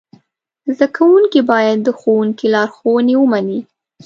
زده کوونکي باید د ښوونکي لارښوونې ومني.